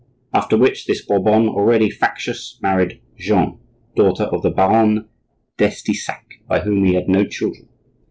After which, this Bourbon, already factious, married Jeanne, daughter of the Baron d'Estissac, by whom he had no children.